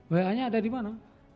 ba nya ada di mana